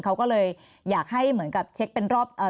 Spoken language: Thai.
เขาก็เลยอยากให้เหมือนกับเช็คเป็นรอบเอ่อ